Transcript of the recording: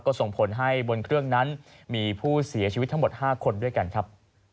ก็ส่งผลให้บนเครื่องนั้นมีผู้เสียชีวิตทั้งหมด๕คนด้วยกันครับ